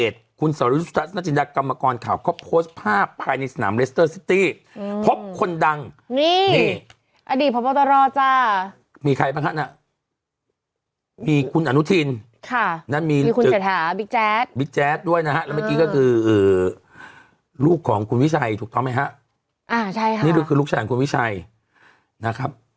ถูกต้องไหมฮะอ่าใช่ค่ะนี่คือลูกชายของคุณวิชัยนะครับ